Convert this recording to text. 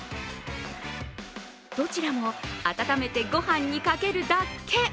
どちらも温めてご飯にかけるだけ。